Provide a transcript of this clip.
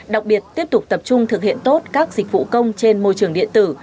đặc biệt tiếp tục tập trung thực hiện tốt các dịch vụ công trên môi trường điện tử